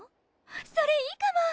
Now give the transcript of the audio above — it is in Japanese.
それいいかも！